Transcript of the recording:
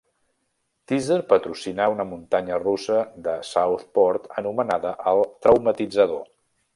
Tizer patrocinà una muntanya russa de Southport anomenada el "Traumatitzador".